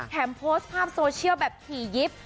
โพสต์ภาพโซเชียลแบบถี่ยิบ